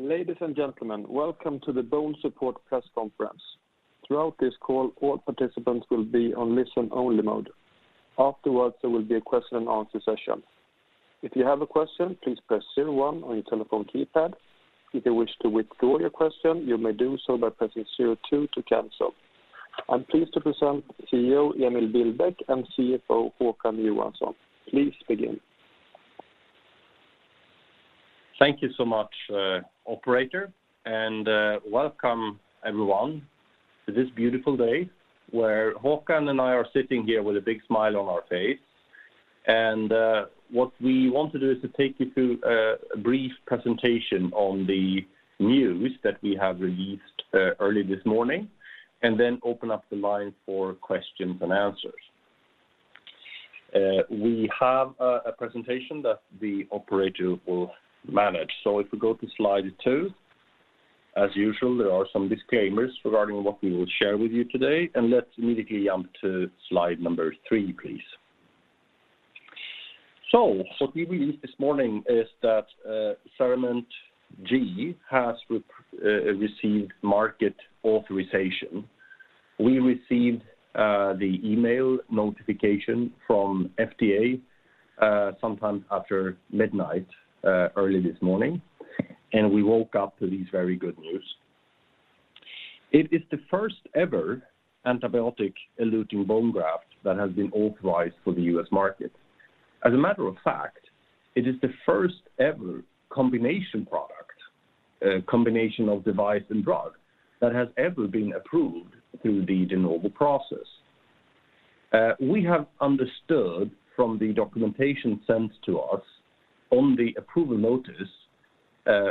Ladies and gentlemen, welcome to the BONESUPPORT press conference. Throughout this call, all participants will be on listen-only mode. Afterwards, there will be a question and answer session. If you have a question, please press zero one on your telephone keypad. If you wish to withdraw your question, you may do so by pressing zero two to cancel. I'm pleased to present CEO Emil Billbäck and CFO Håkan Johansson. Please begin. Thank you so much, operator, and welcome everyone to this beautiful day where Håkan and I are sitting here with a big smile on our face. What we want to do is to take you through a brief presentation on the news that we have released early this morning and then open up the line for questions and answers. We have a presentation that the operator will manage. If we go to slide two. As usual, there are some disclaimers regarding what we will share with you today, and let's immediately jump to slide number three, please. What we released this morning is that CERAMENT G has received market authorization. We received the email notification from FDA sometime after midnight early this morning, and we woke up to these very good news. It is the first ever antibiotic eluting bone graft that has been authorized for the U.S. market. As a matter of fact, it is the first ever combination product, combination of device and drug that has ever been approved through the De Novo process. We have understood from the documentation sent to us on the approval notice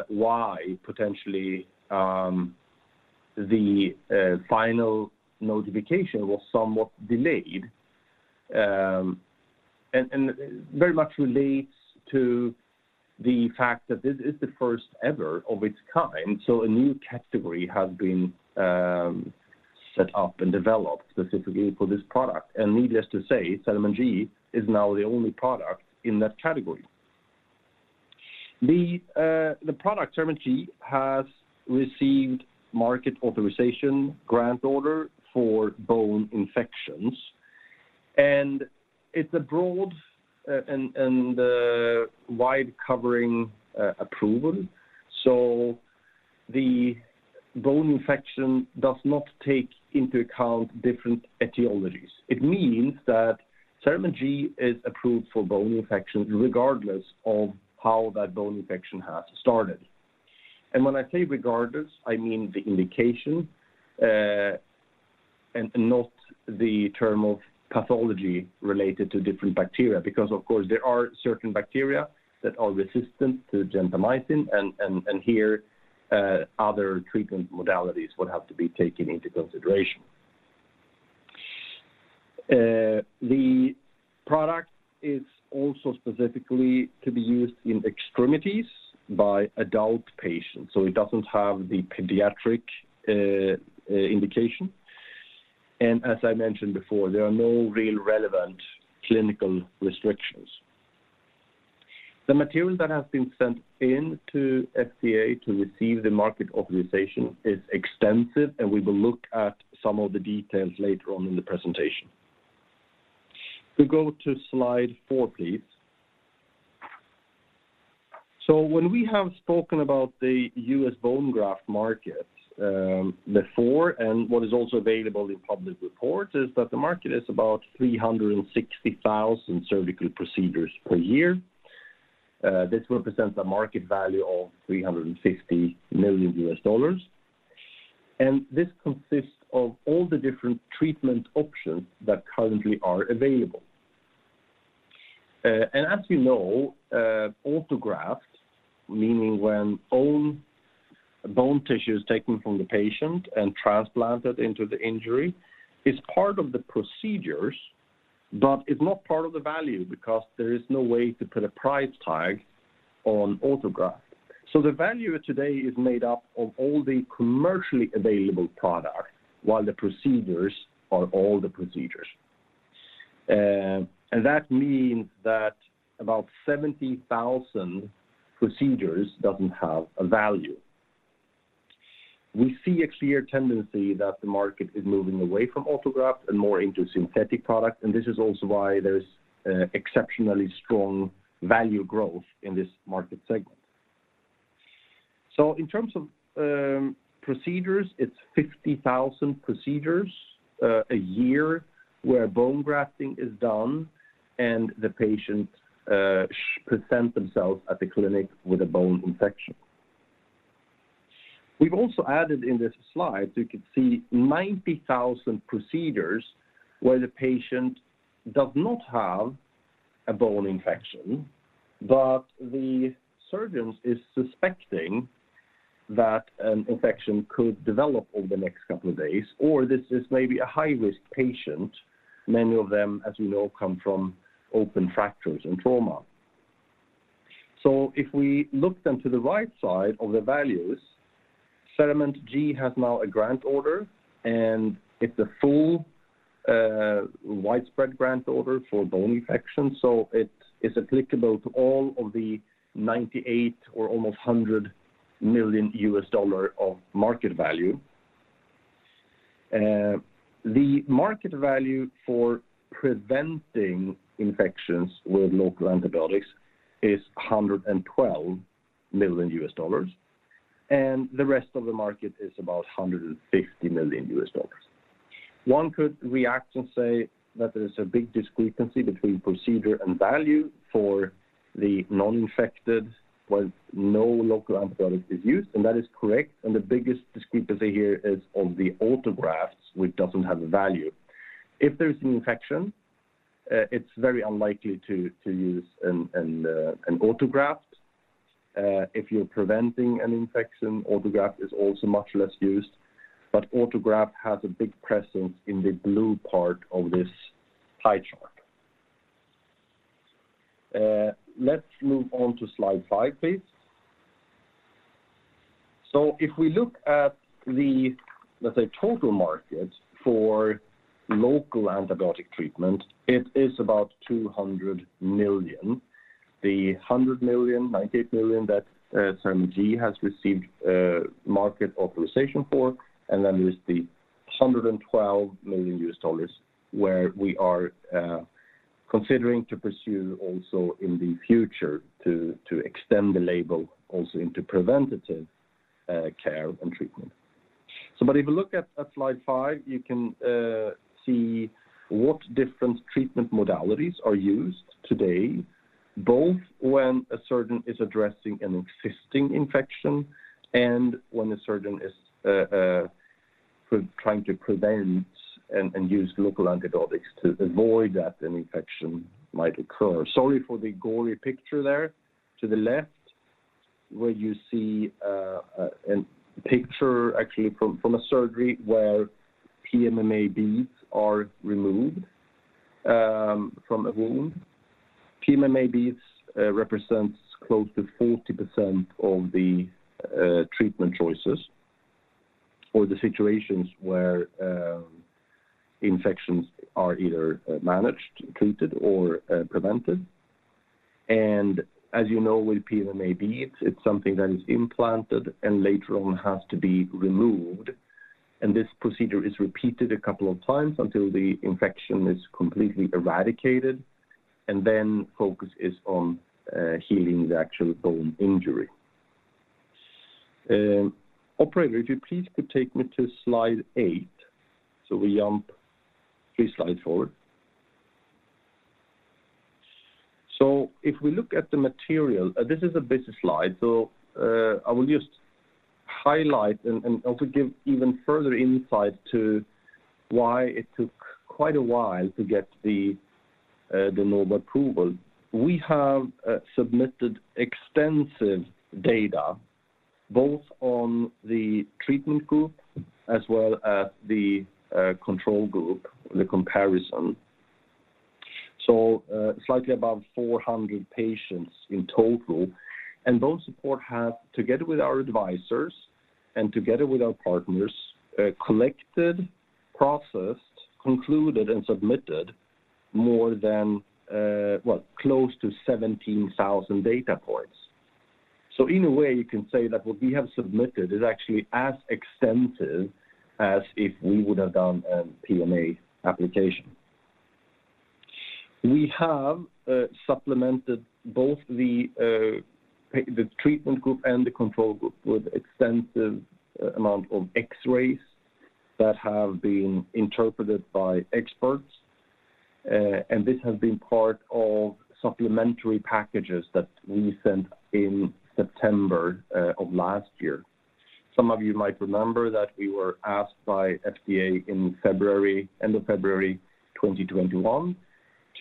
why potentially the final notification was somewhat delayed. It very much relates to the fact that this is the first ever of its kind, so a new category has been set up and developed specifically for this product. Needless to say, CERAMENT G is now the only product in that category. The product CERAMENT G has received market authorization grant order for bone infections, and it's a broad and wide covering approval. The bone infection does not take into account different etiologies. It means that CERAMENT G is approved for bone infection regardless of how that bone infection has started. When I say regardless, I mean the indication, and not the term of pathology related to different bacteria, because of course there are certain bacteria that are resistant to gentamicin and here, other treatment modalities would have to be taken into consideration. The product is also specifically to be used in extremities by adult patients, so it doesn't have the pediatric indication. As I mentioned before, there are no real relevant clinical restrictions. The material that has been sent in to FDA to receive the market authorization is extensive, and we will look at some of the details later on in the presentation. We go to slide four, please. When we have spoken about the U.S. bone graft market, before, and what is also available in public reports is that the market is about 360,000 surgical procedures per year. This represents a market value of $360 million, and this consists of all the different treatment options that currently are available. As you know, autografts, meaning when own bone tissue is taken from the patient and transplanted into the injury, is part of the procedures but is not part of the value because there is no way to put a price tag on autograft. The value today is made up of all the commercially available products while the procedures are all the procedures. That means that about 70,000 procedures doesn't have a value. We see a clear tendency that the market is moving away from autograft and more into synthetic products, and this is also why there's exceptionally strong value growth in this market segment. In terms of procedures, it's 50,000 procedures a year where bone grafting is done and the patient present themselves at the clinic with a bone infection. We've also added in this slide, you can see 90,000 procedures where the patient does not have a bone infection, but the surgeon is suspecting that an infection could develop over the next couple of days, or this is maybe a high-risk patient. Many of them, as we know, come from open fractures and trauma. If we look then to the right side of the values, CERAMENT G has now a granted order, and it's a full, widespread granted order for bone infection. It is applicable to all of the $98 million or almost $100 million of market value. The market value for preventing infections with local antibiotics is $112 million, and the rest of the market is about $150 million. One could react and say that there is a big discrepancy between procedure and value for the non-infected, while no local antibiotic is used. That is correct. The biggest discrepancy here is on the autografts which doesn't have a value. If there's an infection, it's very unlikely to use an autograft. If you're preventing an infection, autograft is also much less used. Autograft has a big presence in the blue part of this pie chart. Let's move on to slide five, please. If we look at the total market, let's say, for local antibiotic treatment, it is about 200 million. The 100 million, 98 million that CERAMENT G has received market authorization for, and then there's the $112 million, where we are considering to pursue also in the future to extend the label also into preventative care and treatment. If you look at slide five, you can see what different treatment modalities are used today, both when a surgeon is addressing an existing infection and when a surgeon is trying to prevent and use local antibiotics to avoid that an infection might occur. Sorry for the gory picture there to the left, where you see a picture actually from a surgery where PMMA beads are removed from a wound. PMMA beads represents close to 40% of the treatment choices or the situations where infections are either managed, treated, or prevented. As you know, with PMMA beads, it's something that is implanted and later on has to be removed. This procedure is repeated a couple of times until the infection is completely eradicated, and then focus is on healing the actual bone injury. Operator, if you please could take me to slide eight. We jump three slides forward. If we look at the material, this is a busy slide, so I will just highlight and also give even further insight to why it took quite a while to get the De Novo approval. We have submitted extensive data both on the treatment group as well as the control group, the comparison. Slightly above 400 patients in total. BONESUPPORT have, together with our advisors and together with our partners, collected, processed, concluded, and submitted more than close to 17,000 data points. In a way, you can say that what we have submitted is actually as extensive as if we would have done a PMA application. We have supplemented both the treatment group and the control group with extensive amount of X-rays that have been interpreted by experts. This has been part of supplementary packages that we sent in September of last year. Some of you might remember that we were asked by FDA in February, end of February 2021,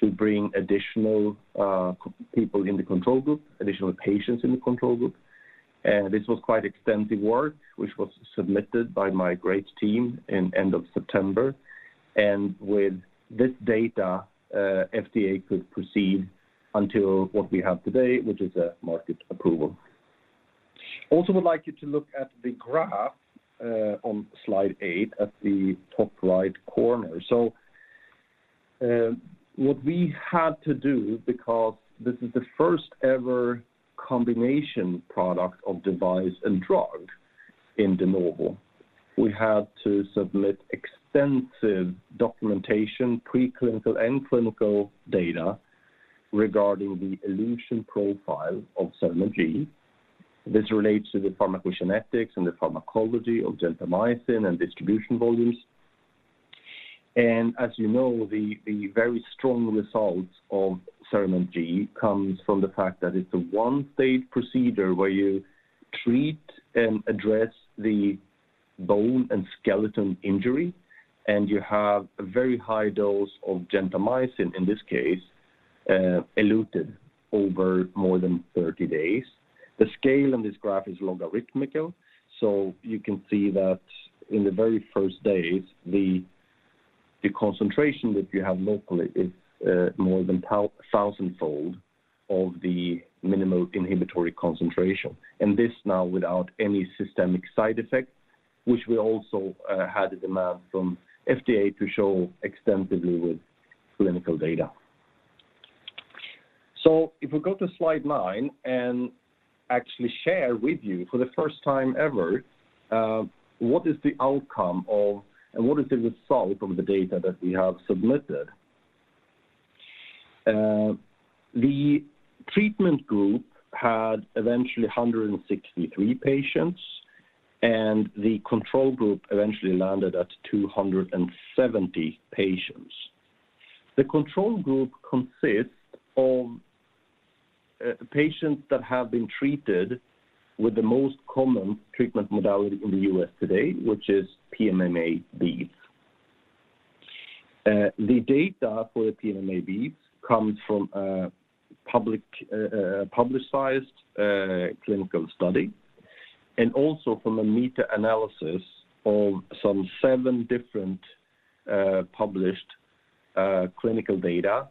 to bring additional patients in the control group. This was quite extensive work, which was submitted by my great team in end of September. With this data, FDA could proceed to what we have today, which is a market approval. Also would like you to look at the graph on slide eight at the top right corner. What we had to do, because this is the first ever combination product of device and drug in De Novo, we had to submit extensive documentation, preclinical and clinical data regarding the elution profile of CERAMENT G. This relates to the pharmacokinetics and the pharmacology of gentamicin and distribution volumes. As you know, the very strong results of CERAMENT G comes from the fact that it's a one-stage procedure where you treat and address the bone and skeleton injury, and you have a very high dose of gentamicin, in this case, eluted over more than 30 days. The scale on this graph is logarithmic, so you can see that in the very first days, the concentration that you have locally is more than thousandfold of the minimum inhibitory concentration. This now without any systemic side effects, which we also had a demand from FDA to show extensively with clinical data. If we go to slide nine and actually share with you for the first time ever, what is the outcome of and what is the result of the data that we have submitted. The treatment group had eventually 163 patients, and the control group eventually landed at 270 patients. The control group consists of patients that have been treated with the most common treatment modality in the U.S. today, which is PMMA beads. The data for the PMMA beads comes from publicized clinical study and also from a meta-analysis of some seven different published clinical data.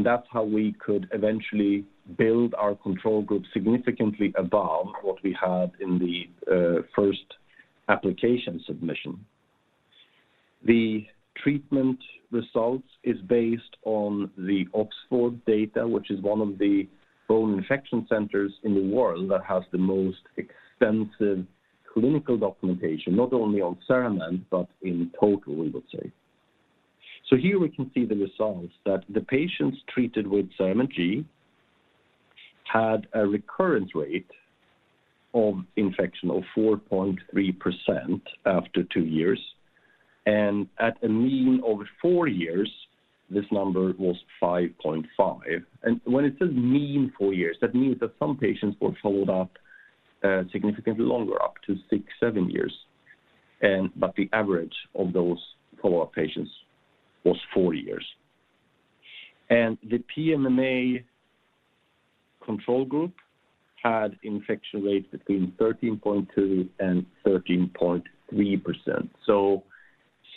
That's how we could eventually build our control group significantly above what we had in the first application submission. The treatment results is based on the Oxford data, which is one of the bone infection centers in the world that has the most extensive clinical documentation, not only on CERAMENT but in total, we would say. Here we can see the results that the patients treated with CERAMENT G had a recurrence rate of infection of 4.3% after two years. At a mean of four years, this number was 5.5. When it says mean four years, that means that some patients were followed up significantly longer, up to six, seven years. The average of those follow-up patients was four years. The PMMA control group had infection rates between 13.2% and 13.3%.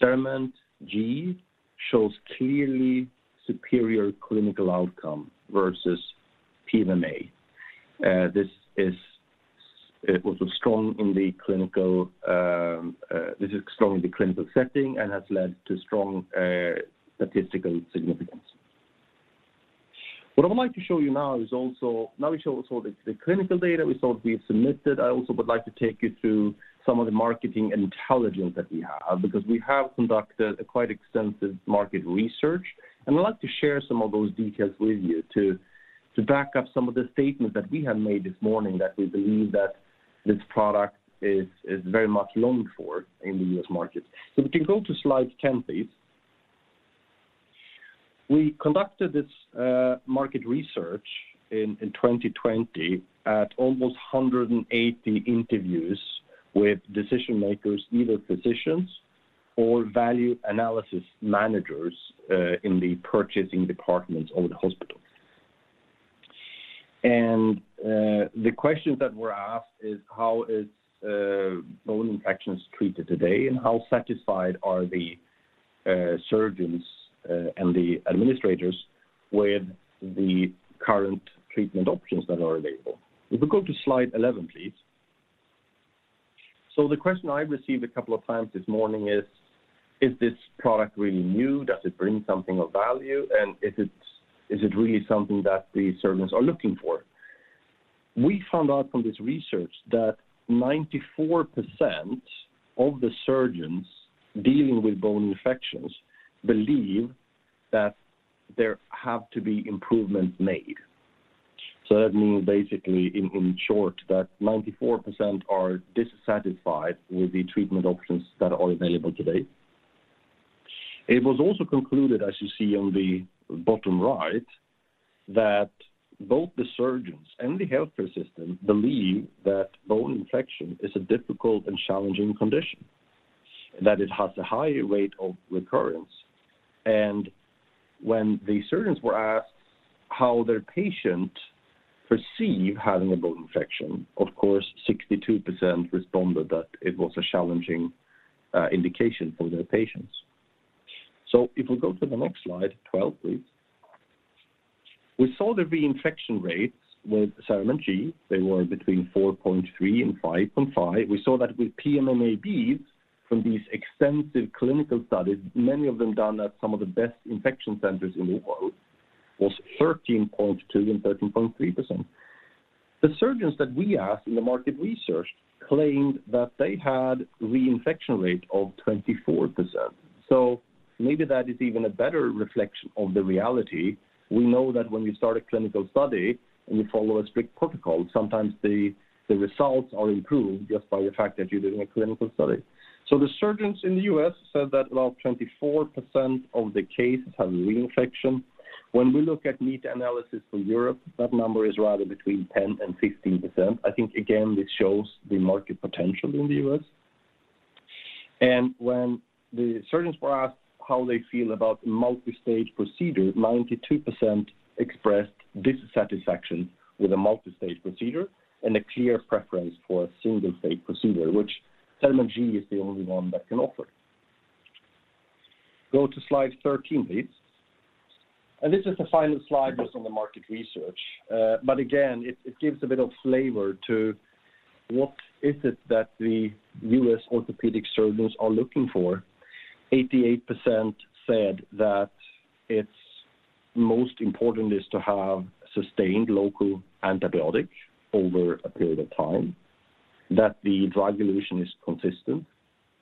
CERAMENT G shows clearly superior clinical outcome versus PMMA. This is strong in the clinical setting and has led to strong statistical significance. What I would like to show you now is also the clinical data result we have submitted. I also would like to take you through some of the marketing intelligence that we have, because we have conducted a quite extensive market research. I'd like to share some of those details with you to back up some of the statements that we have made this morning that we believe that this product is very much longed for in the US market. If you go to slide 10, please. We conducted this market research in 2020 at almost 180 interviews with decision-makers, either physicians or value analysis managers, in the purchasing departments of the hospitals. The questions that were asked is how is bone infections treated today and how satisfied are the surgeons and the administrators with the current treatment options that are available. If you go to slide 11, please. The question I received a couple of times this morning is this product really new? Does it bring something of value? And is it really something that the surgeons are looking for? We found out from this research that 94% of the surgeons dealing with bone infections believe that there have to be improvements made. That means basically in short that 94% are dissatisfied with the treatment options that are available today. It was also concluded, as you see on the bottom right, that both the surgeons and the healthcare system believe that bone infection is a difficult and challenging condition, and that it has a high rate of recurrence. When the surgeons were asked how their patient perceive having a bone infection, of course, 62% responded that it was a challenging indication for their patients. If we go to the next slide, twelve, please. We saw the reinfection rates with CERAMENT G. They were 4.3%-5.5%. We saw that with PMMA beads from these extensive clinical studies, many of them done at some of the best infection centers in the world, was 13.2% and 13.3%. The surgeons that we asked in the market research claimed that they had reinfection rate of 24%. Maybe that is even a better reflection of the reality. We know that when we start a clinical study and we follow a strict protocol, sometimes the results are improved just by the fact that you're doing a clinical study. The surgeons in the U.S. said that about 24% of the cases have reinfection. When we look at meta-analysis from Europe, that number is rather between 10%-16%. I think again, this shows the market potential in the U.S. When the surgeons were asked how they feel about multi-stage procedure, 92% expressed dissatisfaction with a multi-stage procedure and a clear preference for a single-stage procedure, which CERAMENT G is the only one that can offer. Go to slide 13, please. This is the final slide based on the market research. Again, it gives a bit of flavor to what is it that the US orthopedic surgeons are looking for. 88% said that it's most important is to have sustained local antibiotic over a period of time, that the drug elution is consistent,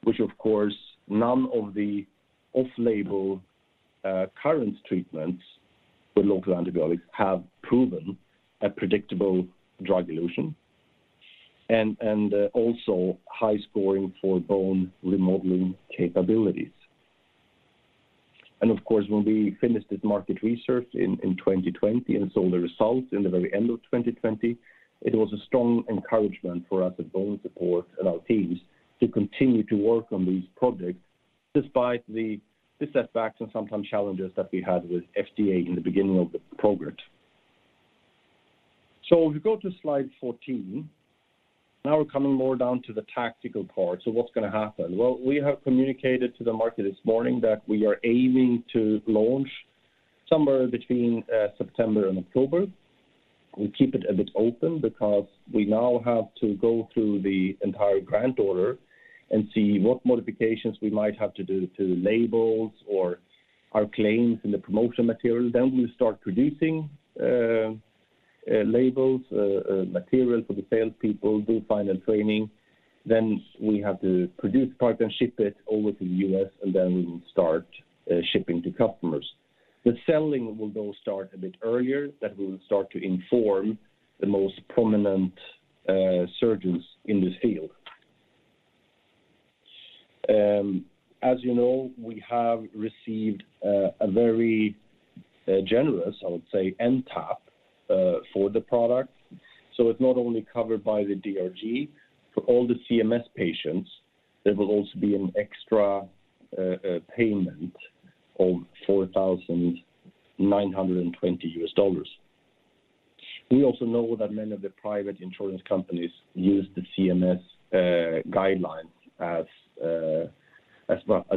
which, of course, none of the off-label current treatments with local antibiotics have proven a predictable drug elution. Also high scoring for bone remodeling capabilities. Of course, when we finished this market research in 2020 and saw the results in the very end of 2020, it was a strong encouragement for us at BONESUPPORT and our teams to continue to work on these projects despite the setbacks and sometimes challenges that we had with FDA in the beginning of the progress. If you go to slide 14, now we're coming more down to the tactical part. What's gonna happen? Well, we have communicated to the market this morning that we are aiming to launch somewhere between September and October. We keep it a bit open because we now have to go through the entire granted order and see what modifications we might have to do to labels or our claims in the promotional material. We start producing labels, material for the salespeople, do final training. We have to produce product and ship it over to the U.S., and then we will start shipping to customers. The selling will though start a bit earlier. That will start to inform the most prominent surgeons in this field. As you know, we have received a very generous, I would say, NTAP for the product. It's not only covered by the DRG. For all the CMS patients, there will also be an extra payment of $4,920. We also know that many of the private insurance companies use the CMS guidelines as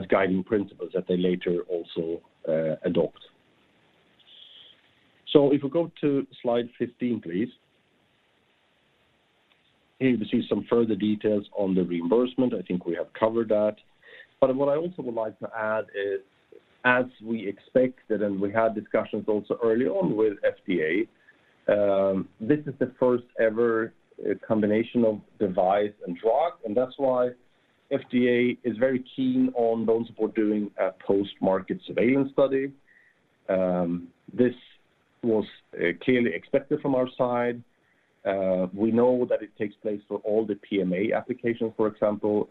guiding principles that they later also adopt. If we go to slide 15, please. Here we see some further details on the reimbursement. I think we have covered that. What I also would like to add is, as we expected, and we had discussions also early on with FDA, this is the first ever combination of device and drug, and that's why FDA is very keen on those who are doing a post-market surveillance study. This was clearly expected from our side. We know that it takes place for all the PMA applications, for example.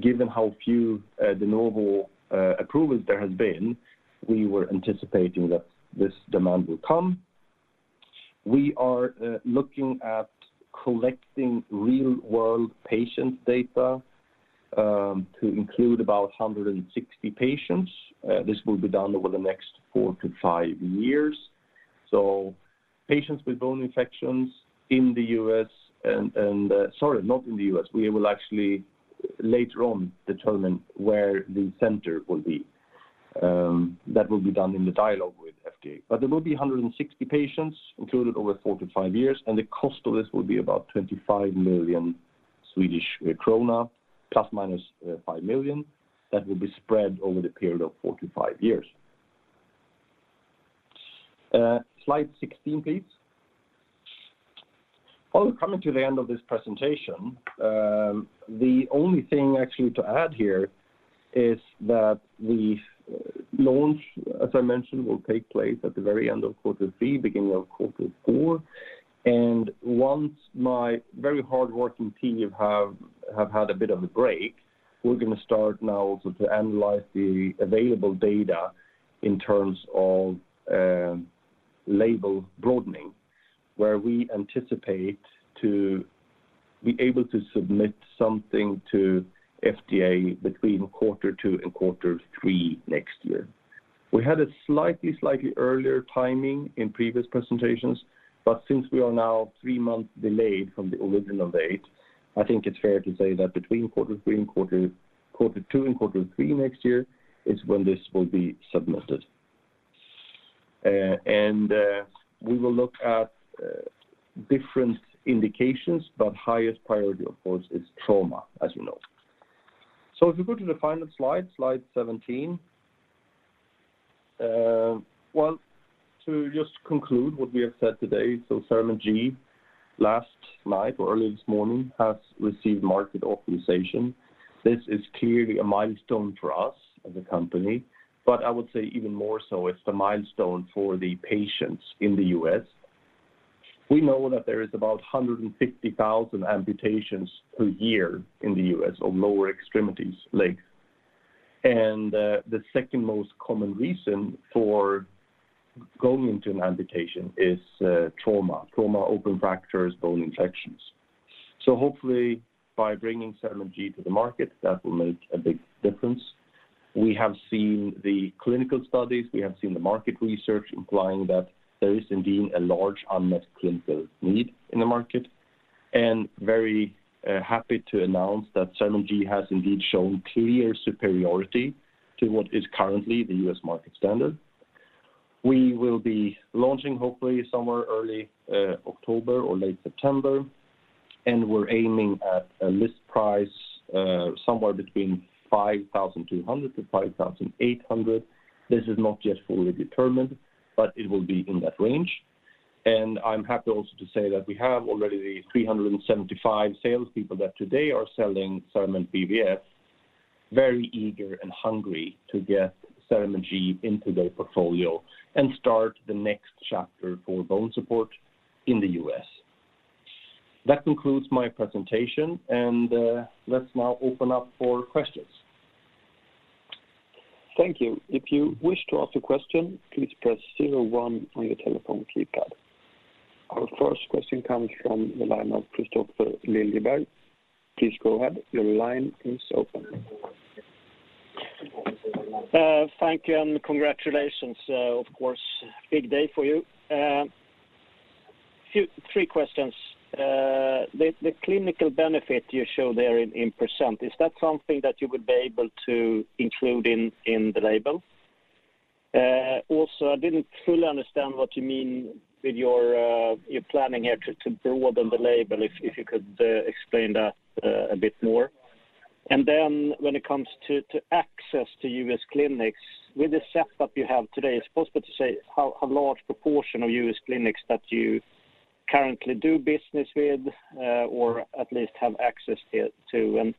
Given how few De Novo approvals there has been, we were anticipating that this demand will come. We are looking at collecting real-world patient data to include about 160 patients. This will be done over the next 4-5 years. Patients with bone infections in the U.S. Sorry, not in the U.S. We will actually later on determine where the center will be. That will be done in the dialogue with FDA. There will be 160 patients included over 4-5 years, and the cost of this will be about 25 million Swedish krona, plus minus 5 million. That will be spread over the period of 4-5 years. Slide 16, please. Well, coming to the end of this presentation, the only thing actually to add here is that the launch, as I mentioned, will take place at the very end of quarter three, beginning of quarter four. Once my very hardworking team have had a bit of a break, we're gonna start now also to analyze the available data in terms of label broadening, where we anticipate to be able to submit something to FDA between quarter two and quarter three next year. We had a slightly earlier timing in previous presentations, but since we are now three months delayed from the original date, I think it's fair to say that between quarter three and quarter two and quarter three next year is when this will be submitted. We will look at different indications, but highest priority, of course, is trauma, as you know. If you go to the final slide 17. To just conclude what we have said today, CERAMENT G, last night or early this morning, has received market authorization. This is clearly a milestone for us as a company, but I would say even more so, it's the milestone for the patients in the U.S. We know that there is about 150,000 amputations per year in the U.S. on lower extremities, legs. The second most common reason for going into an amputation is trauma. Trauma, open fractures, bone infections. Hopefully, by bringing CERAMENT G to the market, that will make a big difference. We have seen the clinical studies. We have seen the market research implying that there is indeed a large unmet clinical need in the market. Very happy to announce that CERAMENT G has indeed shown clear superiority to what is currently the US market standard. We will be launching hopefully somewhere early October or late September, and we're aiming at a list price somewhere between $5,200-$5,800. This is not yet fully determined, but it will be in that range. I'm happy also to say that we have already the 375 salespeople that today are selling CERAMENT BVF, very eager and hungry to get CERAMENT G into their portfolio and start the next chapter for BONESUPPORT in the US. That concludes my presentation, and let's now open up for questions. Thank you. If you wish to ask a question, please press zero one on your telephone keypad. Our first question comes from the line of Kristofer Liljeberg. Please go ahead. Your line is open. Thank you, and congratulations, of course, big day for you. Three questions. The clinical benefit you show there in percent, is that something that you would be able to include in the label? Also, I didn't fully understand what you mean with your planning here to broaden the label, if you could explain that a bit more. When it comes to access to U.S. clinics, with the setup you have today, is it possible to say how large proportion of U.S. clinics that you currently do business with, or at least have access to?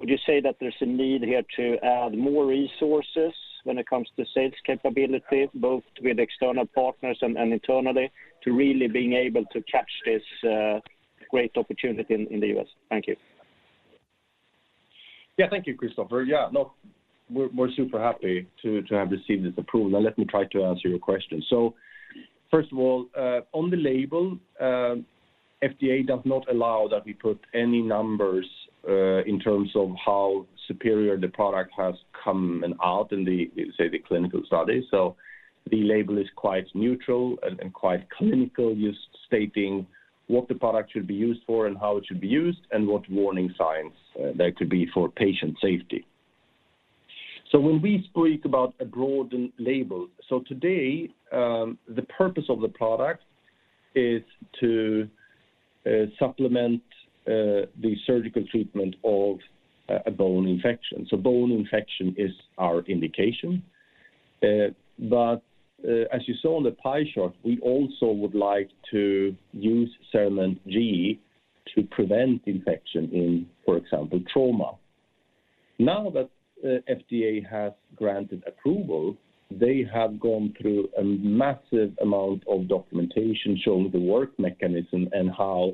Would you say that there's a need here to add more resources when it comes to sales capability, both with external partners and internally, to really being able to catch this great opportunity in the US? Thank you. Yeah. Thank you, Kristofer. Look, we're super happy to have received this approval. Now let me try to answer your question. First of all, on the label, FDA does not allow that we put any numbers in terms of how superior the product has come out in the, say, the clinical study. The label is quite neutral and quite clinical, just stating what the product should be used for and how it should be used and what warning signs there could be for patient safety. When we speak about a broadened label, today, the purpose of the product is to supplement the surgical treatment of a bone infection. Bone infection is our indication. As you saw on the pie chart, we also would like to use CERAMENT G to prevent infection in, for example, trauma. Now that FDA has granted approval, they have gone through a massive amount of documentation showing the work mechanism and how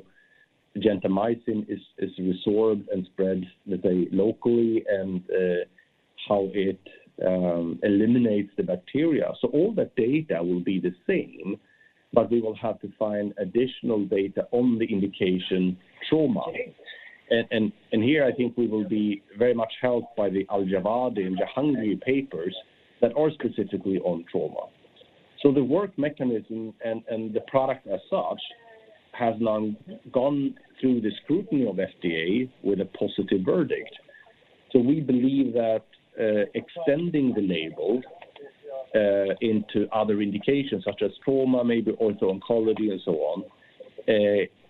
gentamicin is absorbed and spread, let's say, locally and how it eliminates the bacteria. All that data will be the same, but we will have to find additional data on the indication trauma. Here, I think we will be very much helped by the Aljawadi and Jahangir papers that are specifically on trauma. The work mechanism and the product as such has now gone through the scrutiny of FDA with a positive verdict. We believe that extending the label into other indications such as trauma, maybe ortho-oncology and so on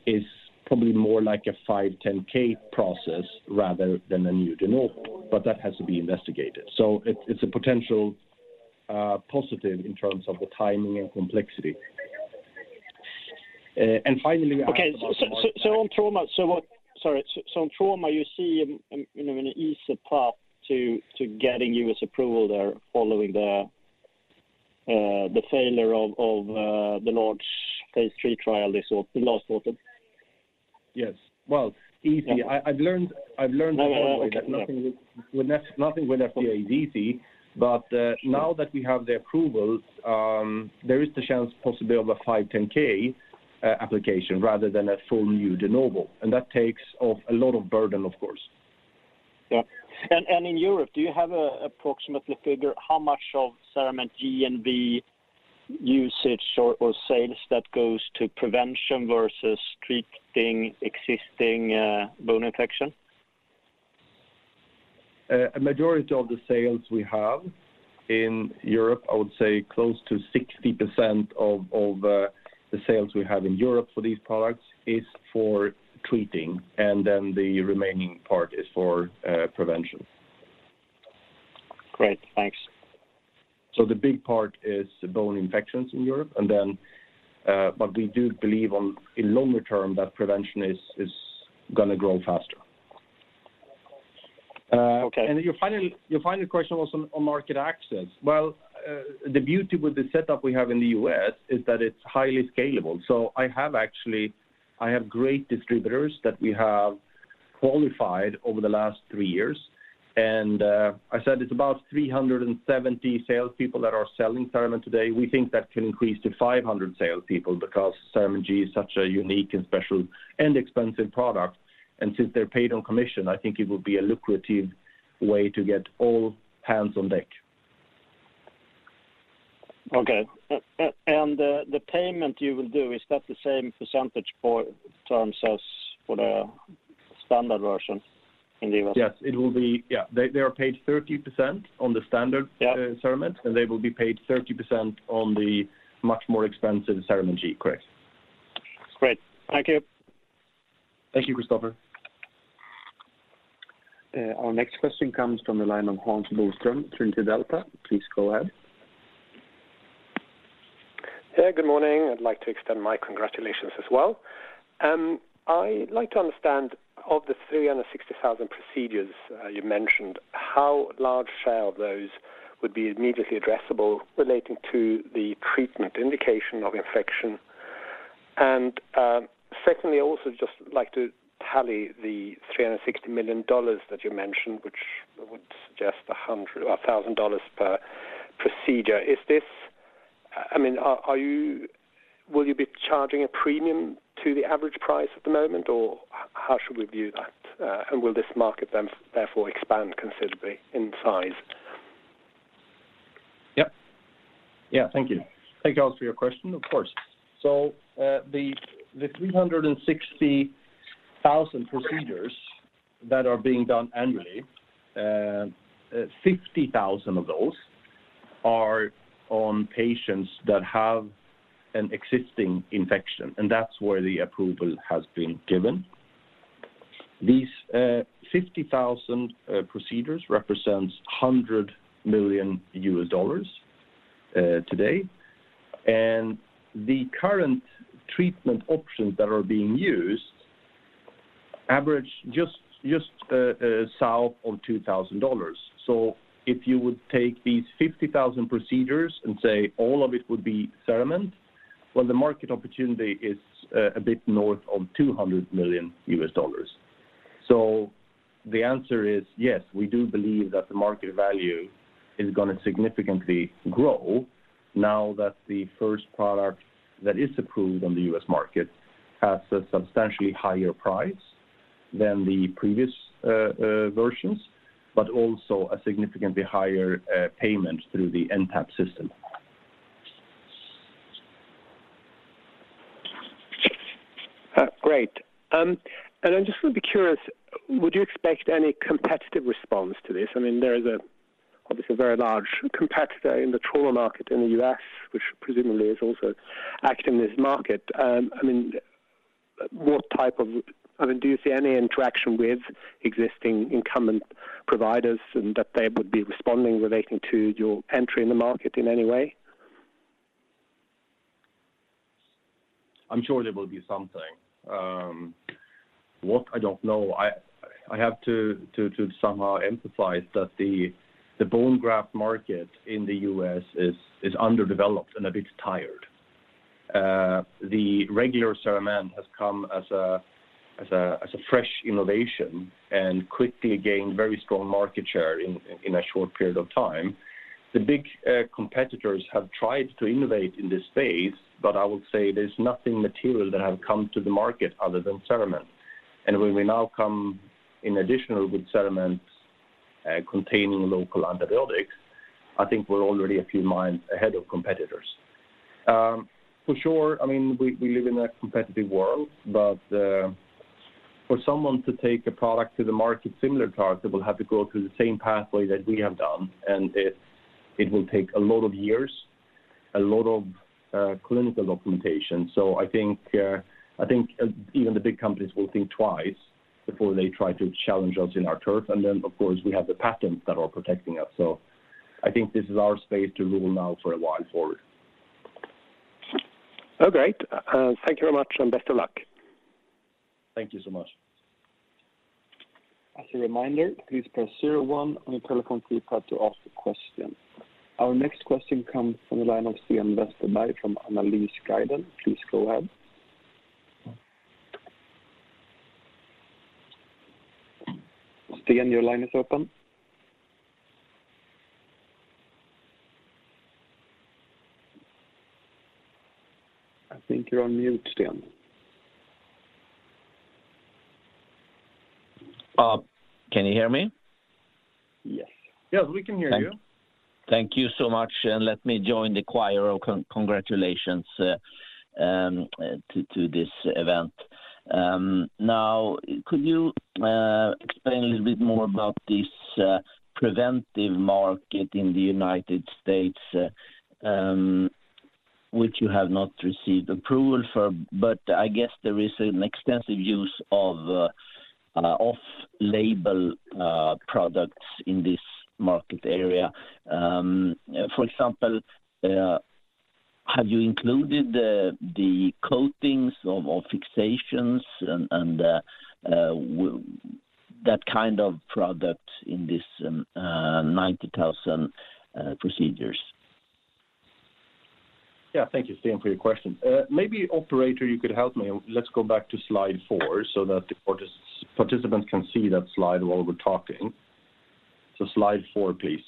is probably more like a 510(k) process rather than a new De Novo, but that has to be investigated. It, it's a potential positive in terms of the timing and complexity. Finally- On trauma, you see, you know, an easier path to getting US approval there following the failure of the large phase 3 trial, the sort, the last one. Yes. Well, easy. I've learned the hard way that nothing with FDA is easy. Now that we have the approvals, there is the chance possibility of a 510(k) application rather than a full new De Novo. That takes off a lot of burden, of course. Yeah. In Europe, do you have an approximate figure how much of CERAMENT G and B usage or sales that goes to prevention versus treating existing bone infection? A majority of the sales we have in Europe, I would say close to 60% of the sales we have in Europe for these products is for treating, and then the remaining part is for prevention. Great. Thanks. The big part is bone infections in Europe and then, but we do believe in the longer term that prevention is gonna grow faster. Okay. Your final question was on market access. Well, the beauty with the setup we have in the US is that it's highly scalable. I actually have great distributors that we have qualified over the last three years. I said it's about 370 salespeople that are selling CERAMENT today. We think that can increase to 500 salespeople because CERAMENT G is such a unique and special and expensive product. Since they're paid on commission, I think it would be a lucrative way to get all hands on deck. The payment you will do, is that the same percentage for terms as for the standard version in the U.S.? Yes, it will be. Yeah. They are paid 30% on the standard. Yeah. CERAMENT, and they will be paid 30% on the much more expensive CERAMENT G. Correct. Great. Thank you. Thank you, Kristofer. Our next question comes from the line of Hans Boström, Trinity Delta. Please go ahead. Hey, good morning. I'd like to extend my congratulations as well. I like to understand of the 360,000 procedures you mentioned, how large share of those would be immediately addressable relating to the treatment indication of infection. Secondly, also just like to tally the $360 million that you mentioned, which would suggest $100 or $1,000 per procedure. Is this I mean will you be charging a premium to the average price at the moment, or how should we view that? Will this market then therefore expand considerably in size? Yep. Yeah. Thank you. Thank you also for your question, of course. The 360,000 procedures that are being done annually, 50,000 of those are on patients that have an existing infection, and that's where the approval has been given. These 50,000 procedures represents $100 million today. The current treatment options that are being used average just south of $2,000. If you would take these 50,000 procedures and say all of it would be CERAMENT, well, the market opportunity is a bit north of $200 million. The answer is yes, we do believe that the market value is gonna significantly grow now that the first product that is approved on the US market has a substantially higher price than the previous versions, but also a significantly higher payment through the NTAP system. Great. I just would be curious, would you expect any competitive response to this? I mean, there's obviously a very large competitor in the trauma market in the U.S., which presumably is also active in this market. I mean, do you see any interaction with existing incumbent providers and that they would be responding relating to your entry in the market in any way? I'm sure there will be something. I don't know. I have to somehow emphasize that the bone graft market in the U.S. is underdeveloped and a bit tired. The regular Cerament has come as a fresh innovation and quickly gained very strong market share in a short period of time. The big competitors have tried to innovate in this space, but I would say there's nothing material that have come to the market other than Cerament. When we now come in additional with Cerament containing local antibiotics, I think we're already a few miles ahead of competitors. For sure, I mean, we live in a competitive world, but for someone to take a product to the market, similar product, they will have to go through the same pathway that we have done, and it will take a lot of years, a lot of clinical implementation. I think even the big companies will think twice before they try to challenge us in our turf and then of course, we have the patents that are protecting us. I think this is our space to rule now for a while forward. Oh, great. Thank you very much, and best of luck. Thank you so much. As a reminder, please press zero-one on your telephone keypad to ask a question. Our next question comes from the line of Sten Westerberg from Analysguiden. Please go ahead. Sten, your line is open. I think you're on mute, Sten. Can you hear me? Yes. Yes, we can hear you. Thank you so much, and let me join the choir of congratulations to this event. Now, could you explain a little bit more about this preventive market in the United States, which you have not received approval for, but I guess there is an extensive use of off-label products in this market area. For example, have you included the coatings or fixations and that kind of product in this 90,000 procedures? Yeah. Thank you, Sten, for your question. Maybe operator, you could help me. Let's go back to slide four so that the participants can see that slide while we're talking. Slide four, please.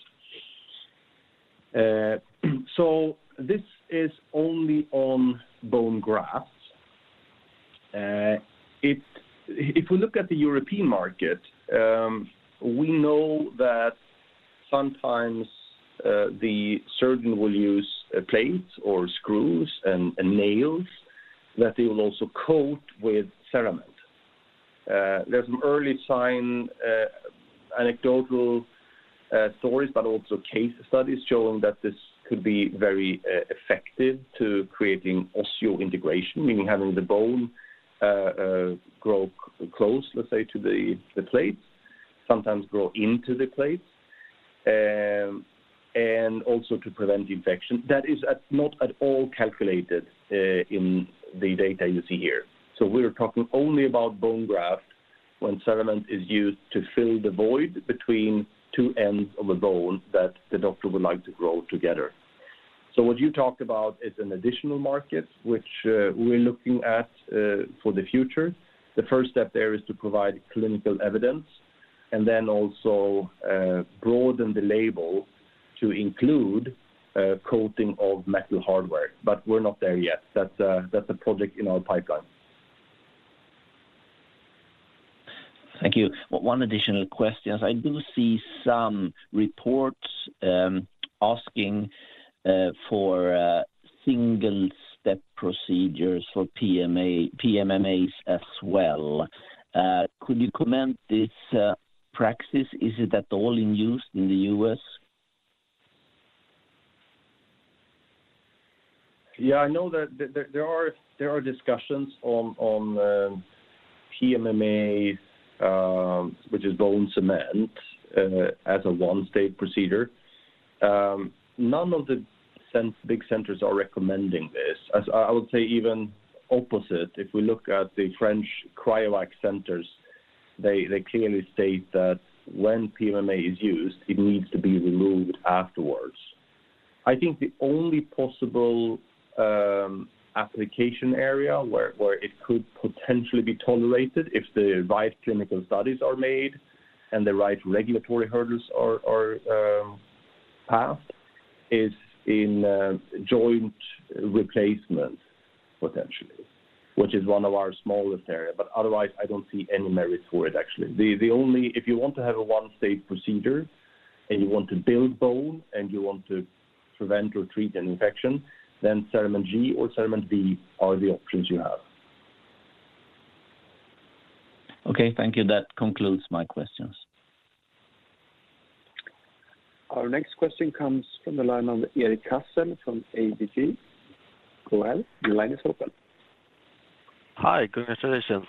This is only on bone grafts. If we look at the European market, we know that sometimes the surgeon will use plates or screws and nails that they will also coat with Cerament. There's some early sign, uh anecdotal stories, but also case studies showing that this could be very effective to creating osseointegration, meaning having the bone grow close, let's say, to the plates, sometimes grow into the plates, and also to prevent infection. That is not at all calculated in the data you see here. We're talking only about bone graft when CERAMENT is used to fill the void between two ends of a bone that the doctor would like to grow together. What you talked about is an additional market which we're looking at for the future. The first step there is to provide clinical evidence and then also broaden the label to include coating of metal hardware. We're not there yet. That's a project in our pipeline. Thank you. One additional question. I do see some reports asking for single-step procedures for PMA-PMMAs as well. Could you comment this practice? Is it at all in use in the U.S.? Yeah, I know that there are discussions on PMMA, which is bone cement, as a one-stage procedure. None of the big centers are recommending this. I would say even opposite, if we look at the French CRIOAc centers, they clearly state that when PMMA is used, it needs to be removed afterwards. I think the only possible application area where it could potentially be tolerated if the right clinical studies are made and the right regulatory hurdles are passed, is in joint replacement, potentially, which is one of our smallest area. Otherwise, I don't see any merit for it actually. If you want to have a one-stage procedure, and you want to build bone, and you want to prevent or treat an infection, then CERAMENT G or CERAMENT B are the options you have. Okay, thank you. That concludes my questions. Our next question comes from the line of Erik Cassel from ABG. Go ahead, your line is open. Hi. Congratulations,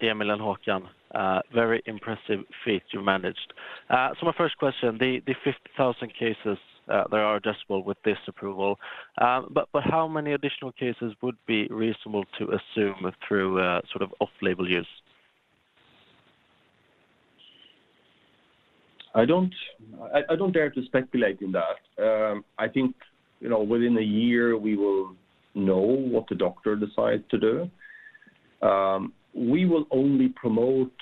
Emil Billbäck and Håkan Johansson. Very impressive feat you managed. My first question, the 50,000 cases that are addressable with this approval. But how many additional cases would be reasonable to assume through sort of off-label use? I don't dare to speculate in that. I think, you know, within a year we will know what the doctor decide to do. We will only promote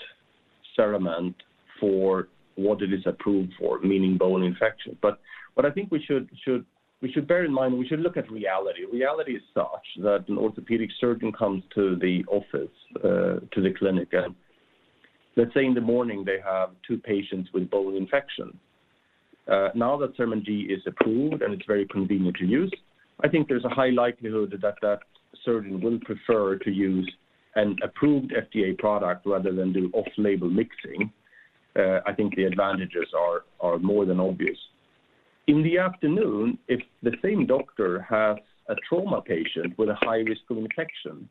CERAMENT for what it is approved for, meaning bone infection. What I think we should bear in mind, we should look at reality. Reality is such that an orthopedic surgeon comes to the office, to the clinic, and let's say in the morning, they have two patients with bone infection. Now that CERAMENT G is approved and it's very convenient to use, I think there's a high likelihood that that surgeon will prefer to use an approved FDA product rather than do off-label mixing. I think the advantages are more than obvious. In the afternoon, if the same doctor has a trauma patient with a high risk of infection,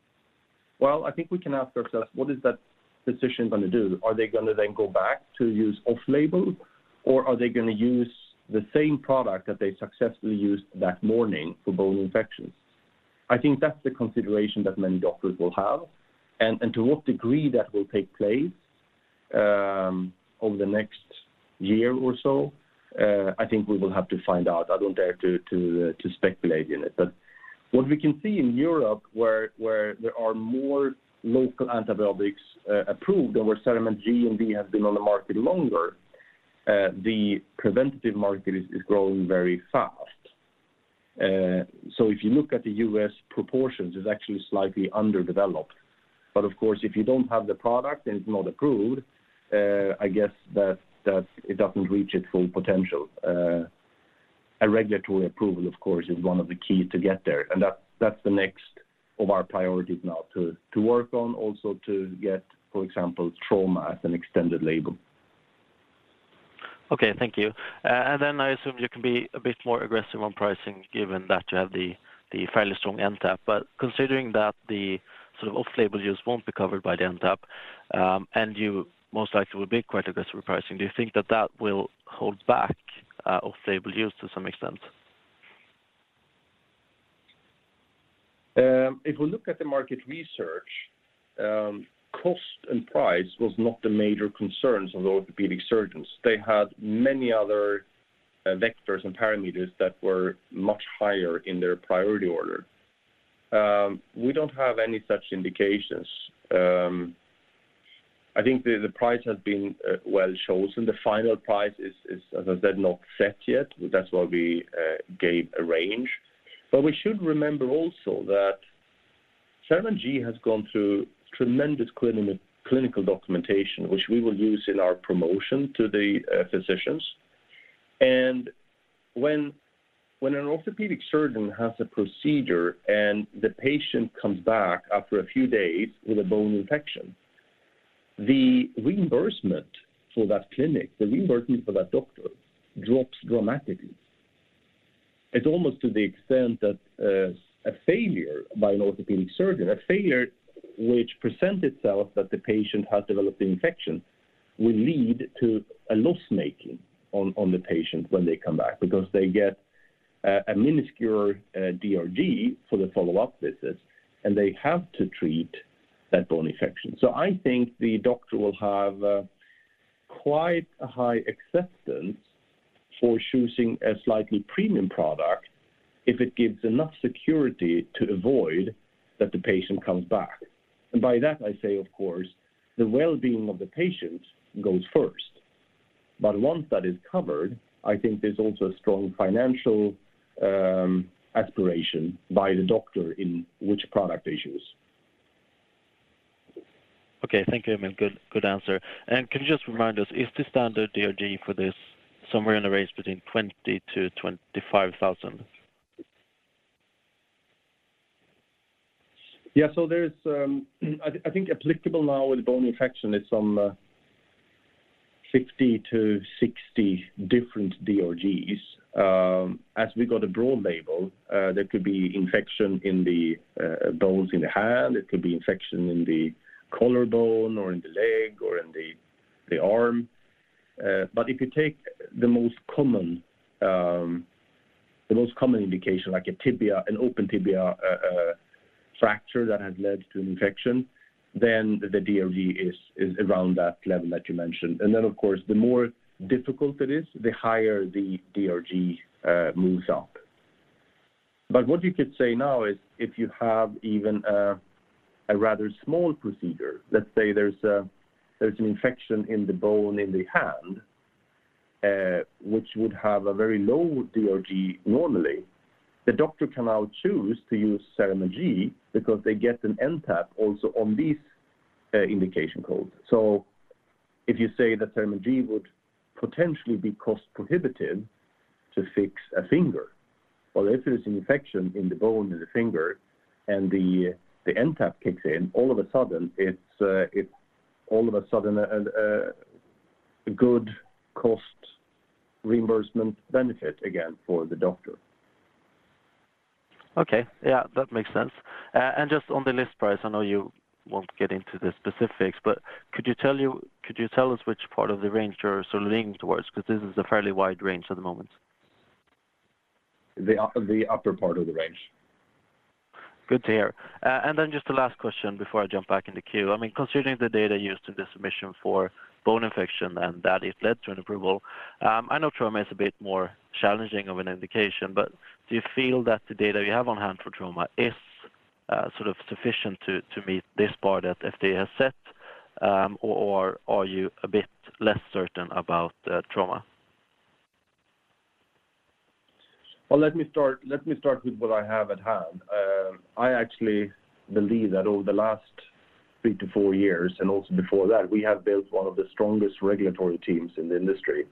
well, I think we can ask ourselves, what is that physician gonna do? Are they gonna then go back to use off-label, or are they gonna use the same product that they successfully used that morning for bone infections? I think that's the consideration that many doctors will have. To what degree that will take place over the next year or so, I think we will have to find out. I don't dare to speculate in it. What we can see in Europe where there are more local antibiotics approved and where CERAMENT G and B have been on the market longer, the preventative market is growing very fast. If you look at the U.S. proportions, it's actually slightly underdeveloped. Of course, if you don't have the product and it's not approved, I guess that it doesn't reach its full potential. A regulatory approval, of course, is one of the keys to get there, and that's the next of our priorities now to work on, also to get, for example, trauma as an extended label. Okay. Thank you. I assume you can be a bit more aggressive on pricing given that you have the fairly strong NTAP. Considering that the sort of off-label use won't be covered by the NTAP, and you most likely will be quite aggressive with pricing, do you think that will hold back off-label use to some extent? If we look at the market research, cost and price was not the major concerns of the orthopedic surgeons. They had many other vectors and parameters that were much higher in their priority order. We don't have any such indications. I think the price has been well chosen. The final price is, as I said, not set yet. That's why we gave a range. We should remember also that CERAMENT G has gone through tremendous clinical documentation, which we will use in our promotion to the physicians. When an orthopedic surgeon has a procedure and the patient comes back after a few days with a bone infection, the reimbursement for that clinic, the reimbursement for that doctor drops dramatically. It's almost to the extent that a failure by an orthopedic surgeon, a failure which presents itself that the patient has developed an infection, will lead to a loss-making on the patient when they come back because they get a minuscule DRG for the follow-up visits, and they have to treat that bone infection. I think the doctor will have quite a high acceptance for choosing a slightly premium product if it gives enough security to avoid that the patient comes back. By that, I say, of course, the well-being of the patient goes first. Once that is covered, I think there's also a strong financial aspiration by the doctor in which product they use. Okay. Thank you, Emil. Good, good answer. Can you just remind us, is the standard DRG for this somewhere in the range between $20,000-$25,000? Yeah. I think applicable now with bone infection, it's some 50-60 different DRGs. As we got a broad label, there could be infection in the bones in the hand. It could be infection in the collarbone or in the leg or in the arm. If you take the most common indication like a tibia, an open tibia fracture that has led to an infection, then the DRG is around that level that you mentioned. Of course, the more difficult it is, the higher the DRG moves up. What you could say now is if you have even a rather small procedure, let's say there's an infection in the bone in the hand, which would have a very low DRG normally, the doctor can now choose to use Cerament G because they get an NTAP also on these indication codes. If you say that Cerament G would potentially be cost-prohibitive to fix a finger, but if there's an infection in the bone in the finger and the NTAP kicks in, all of a sudden it's all of a sudden a good cost reimbursement benefit again for the doctor. Okay. Yeah, that makes sense. Just on the list price, I know you won't get into the specifics, but could you tell us which part of the range you're sort of leaning towards? Because this is a fairly wide range at the moment. The upper part of the range. Good to hear. Just the last question before I jump back in the queue. I mean, considering the data used in the submission for bone infection and that it led to an approval, I know trauma is a bit more challenging of an indication, but do you feel that the data you have on hand for trauma is sort of sufficient to meet this bar that FDA has set, or are you a bit less certain about trauma? Well, let me start with what I have at hand. I actually believe that over the last 3-4 years, and also before that, we have built one of the strongest regulatory teams in the industry.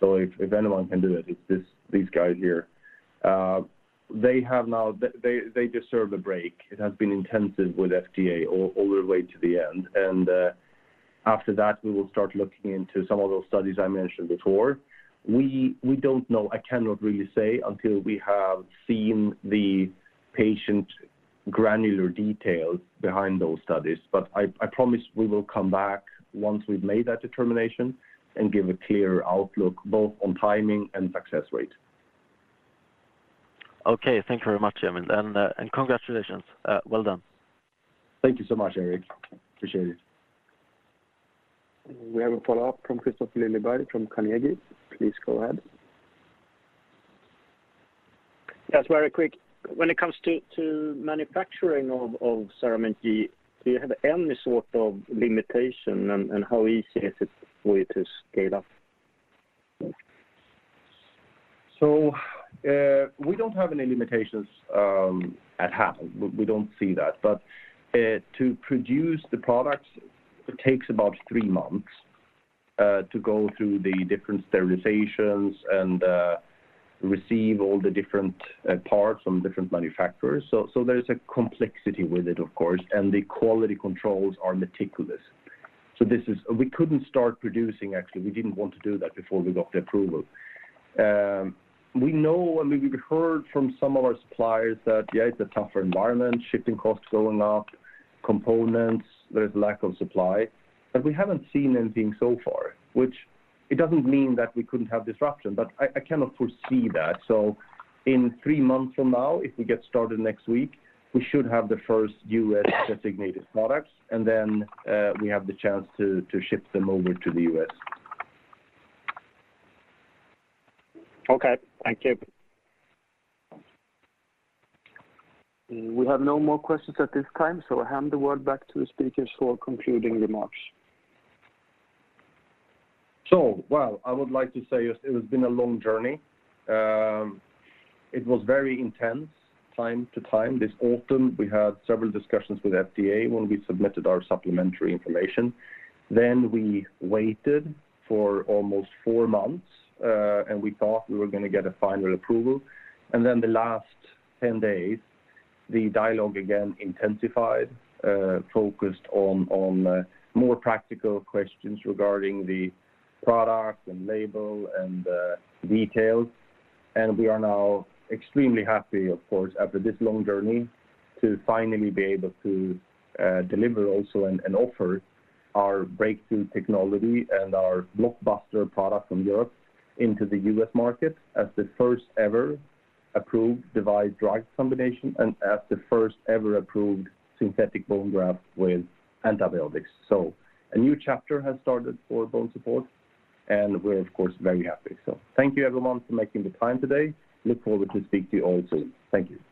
If anyone can do it's these guys here. They deserve a break. It has been intensive with FDA all the way to the end. After that, we will start looking into some of those studies I mentioned before. We don't know. I cannot really say until we have seen the patient granular details behind those studies. I promise we will come back once we've made that determination and give a clear outlook both on timing and success rate. Okay. Thank you very much, Emil. Congratulations. Well done. Thank you so much, Erik. Appreciate it. We have a follow-up from Kristofer Liljeberg from Carnegie. Please go ahead. Yes, very quick. When it comes to manufacturing of CERAMENT G, do you have any sort of limitation and how easy is it for you to scale up? We don't have any limitations at hand. We don't see that. To produce the products takes about three months to go through the different sterilizations and receive all the different parts from different manufacturers. There's a complexity with it, of course, and the quality controls are meticulous. This is. We couldn't start producing, actually. We didn't want to do that before we got the approval. We know and we've heard from some of our suppliers that, yeah, it's a tougher environment, shipping costs going up, components, there is lack of supply. We haven't seen anything so far, which it doesn't mean that we couldn't have disruption, but I cannot foresee that. In three months from now, if we get started next week, we should have the first U.S. designated products, and then we have the chance to ship them over to the U.S. Okay. Thank you. We have no more questions at this time, so I hand the word back to the speakers for concluding remarks. I would like to say it has been a long journey. It was very intense from time to time. This autumn, we had several discussions with FDA when we submitted our supplementary information. We waited for almost four months, and we thought we were gonna get a final approval. The last 10 days, the dialogue again intensified, focused on more practical questions regarding the product and label and the details. We are now extremely happy, of course, after this long journey, to finally be able to deliver also and offer our breakthrough technology and our blockbuster product from Europe into the U.S. market as the first ever approved device drug combination and as the first ever approved synthetic bone graft with antibiotics. A new chapter has started for BONESUPPORT, and we're of course, very happy. Thank you everyone for making the time today. Look forward to speak to you all soon. Thank you.